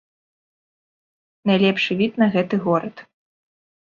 Найлепшы від на гэты горад.